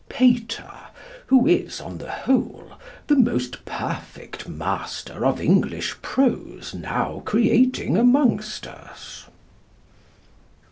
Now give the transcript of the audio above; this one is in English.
Pater, who is, on the whole, the most perfect master of English prose now creating amongst us.